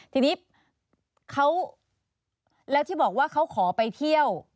ทีนี้เขาแล้วที่บอกว่าเขาขอไปเที่ยว